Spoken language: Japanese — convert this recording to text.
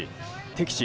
敵地